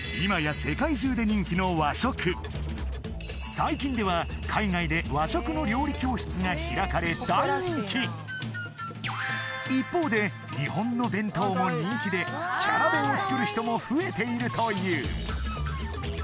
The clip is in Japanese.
最近では海外で和食の料理教室が開かれ大人気一方で日本の弁当も人気でキャラ弁を作る人も増えているという